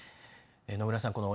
野村さん